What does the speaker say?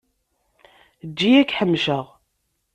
Eǧǧ-iyi ad k-ḥemceɣ.